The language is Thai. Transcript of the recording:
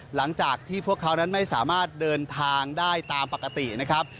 หลังจากที่พวกเขานั้นไม่สามารถเดินทางได้ตามปกตินะครับ